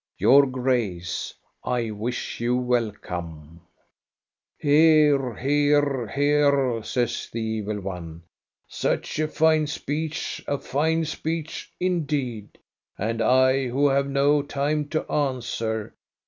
" Your Grace, I wish you welcome !" "Hear, hear, hear!" says the evil one; "such a fine speech, a fine speech indeed ! And I, who have no time to answer.